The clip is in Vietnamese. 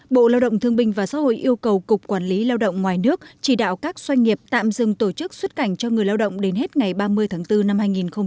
bộ lao động thương binh và xã hội yêu cầu cục quản lý lao động ngoài nước chỉ đạo các doanh nghiệp tạm dừng tổ chức xuất cảnh cho người lao động đến hết ngày ba mươi tháng bốn năm hai nghìn hai mươi